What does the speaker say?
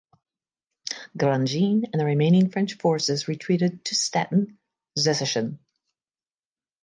Grandjean and the remaining French forces retreated to Stettin (Szczecin).